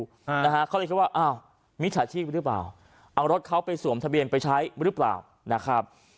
อ่านะฮะเขาเลยคิดว่าอ้าวมิจฉาชีพหรือเปล่าเอารถเขาไปสวมทะเบียนไปใช้หรือเปล่านะครับ